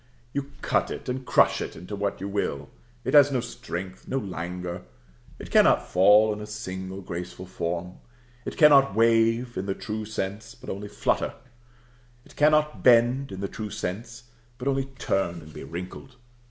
You cut it and crush it into what you will. It has no strength, no languor. It cannot fall into a single graceful form. It cannot wave, in the true sense, but only flutter: it cannot bend, in the true sense, but only turn and be wrinkled.